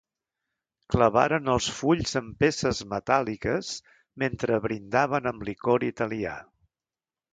Clavaren els fulls amb peces metàl·liques mentre brindaven amb licor italià.